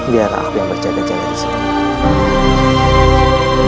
biarlah aku yang berjaga jaga di sini